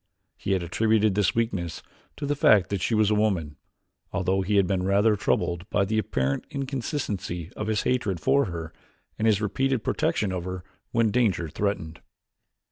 He had attributed this weakness to the fact that she was a woman, although he had been rather troubled by the apparent inconsistency of his hatred for her and his repeated protection of her when danger threatened.